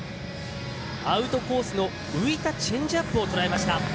アウトコースの浮いたチェンジアップを捉えました。